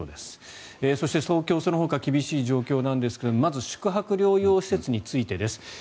そして、東京そのほか厳しい状況なんですがまず宿泊療養施設についてです。